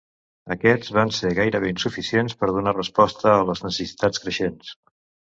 Aquests van ser gairebé insuficients per donar resposta a les necessitats creixents.